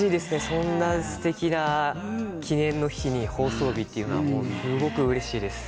そんなすてきな記念の日に放送日というのはすごくうれしいです。